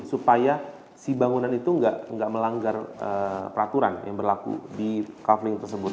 supaya si bangunan itu tidak melanggar peraturan yang berlaku di kafling tersebut